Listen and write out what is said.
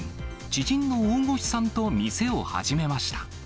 知人の大越さんと店を始めました。